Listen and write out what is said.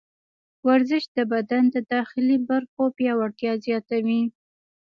ورزش د بدن د داخلي برخو پیاوړتیا زیاتوي.